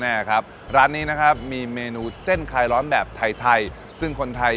อย่างเช่นประเทศไทยที่ตั้งอยู่ในเขตร้อนและอบอุ่นเป็นส่วนใหญ่